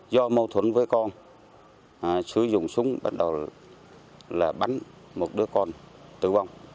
do mâu thuẫn với con sử dụng súng bắt đầu là bắn một đứa con tử vong